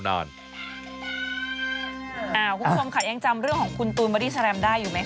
คุณผู้ชมค่ะยังจำเรื่องของคุณตูนบอดี้แรมได้อยู่ไหมค